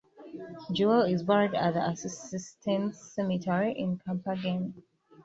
Juel is buried at Assistens Cemetery in Copenhagen.